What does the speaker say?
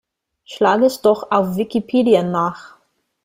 Schlag es doch auf Wikipedia nach!